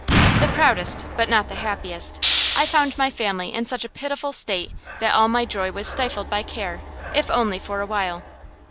The proudest, but not the happiest. I found my family in such a pitiful state that all my joy was stifled by care, if only for a while.